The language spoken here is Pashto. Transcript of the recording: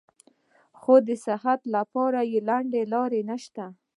خو د صحت له پاره لنډه لار نشته -